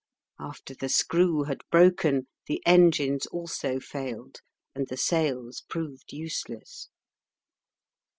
After the screw had broken, the engines also failed, and the sails proved useless.